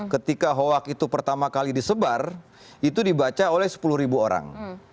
ketika hoak itu pertama kali disebar itu dibaca oleh sepuluh orang